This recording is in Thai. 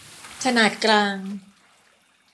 ขนาดกลาง